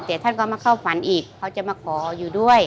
แต่ท่านก็มาเข้าฝันอีกเขาจะมาขออยู่ด้วย